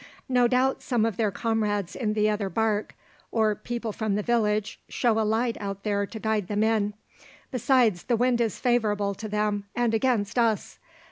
"No doubt some of their comrades in the other barque, or people from the village, show a light out there to guide them in. Besides, the wind is favourable to them and against us.